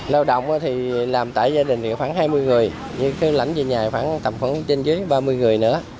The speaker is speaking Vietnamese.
lao động thì làm tại gia đình thì khoảng hai mươi người nhưng cái lãnh về nhà khoảng tầm khoảng trên dưới ba mươi người nữa